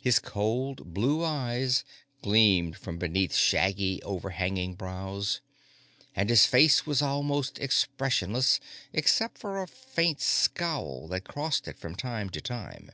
His cold blue eyes gleamed from beneath shaggy, overhanging brows, and his face was almost expressionless except for a faint scowl that crossed it from time to time.